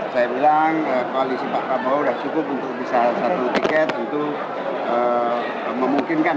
saya bilang koalisi pak prabowo sudah cukup untuk bisa satu tiket untuk memungkinkan